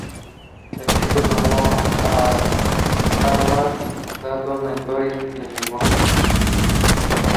El chico tomó a Amar Das como mentor y le sirvió.